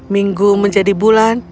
minggu menjadi bulan